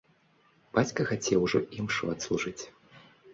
Бацька хацеў ужо імшу адслужыць.